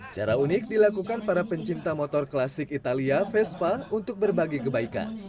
cara unik dilakukan para pencinta motor klasik italia vespa untuk berbagi kebaikan